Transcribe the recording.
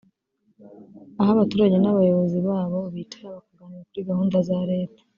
aho abaturage n’abayobozi babo bicara bakaganira kuri gahunda za Leta